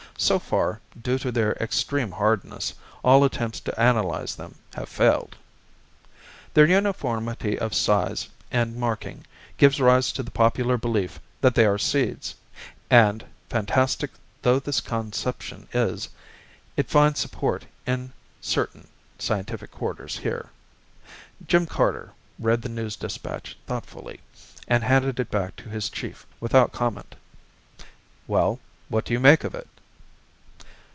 So far, due to their extreme hardness, all attempts to analyze them have failed. Their uniformity of size and marking gives rise to the popular belief that they are seeds, and, fantastic though this conception is, it finds support in certain scientific quarters here. Jim Carter read the news dispatch thoughtfully and handed it back to his chief without comment. "Well, what do you make of it?"